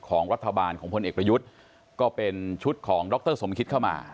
ของรัฐบาลของพลเอกประยุทธ์ก็เป็นชุดของดรสมคิดเข้ามา